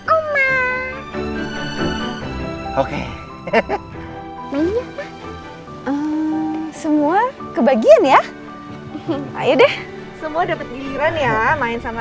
oma oke eh eh eh eh eh eh semua kebagian ya ayo deh semua dapet giliran ya main sama